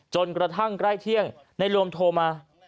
จนกระทั่งใกล้เที่ยงในรวมโทรมา